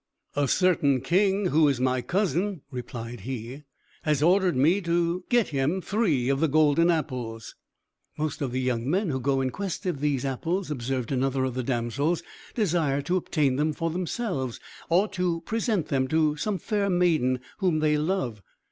"A certain king, who is my cousin," replied he, "has ordered me to get him three of the golden apples." "Most of the young men who go in quest of these apples," observed another of the damsels, "desire to obtain them for themselves, or to present them to some fair maiden whom they love.